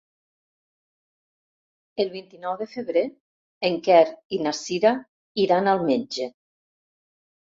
El vint-i-nou de febrer en Quer i na Cira iran al metge.